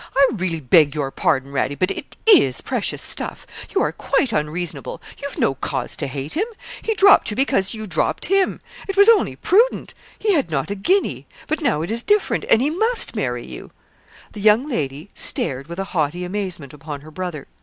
I really beg your pardon, Radie, but it is precious stuff. You are quite unreasonable; you've no cause to hate him; he dropped you because you dropped him. It was only prudent; he had not a guinea. But now it is different, and he must marry you.' The young lady stared with a haughty amazement upon her brother.